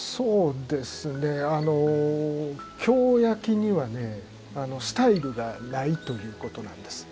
京焼にはスタイルがないということなんです。